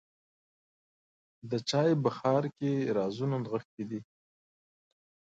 د چای بخار کې رازونه نغښتي دي.